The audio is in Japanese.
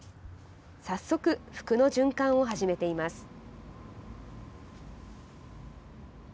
早速、服の循環を始めています。